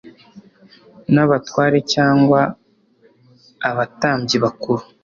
n’Abatware, cyangwa Abatambyi bakuru